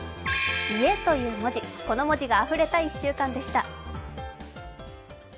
「家」という文字があふれた１週間でした。